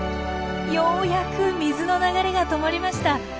ようやく水の流れが止まりました。